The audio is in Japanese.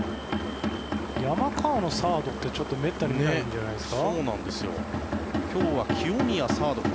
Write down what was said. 山川のサードってめったに見られないんじゃないですか？